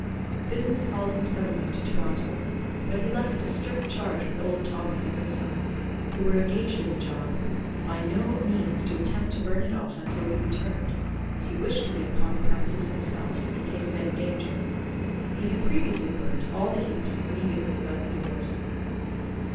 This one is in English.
Business called him suddenly to Toronto, but he left a strict charge with old Thomas and his sons, who were engaged in the job, by no means to attempt to burn it off until he returned, as he wished to be upon the premises himself, in case of any danger. He had previously burnt all the heaps immediately about the doors.